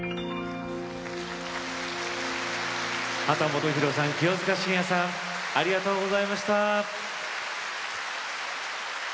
秦基博さん、清塚信也さんありがとうございました。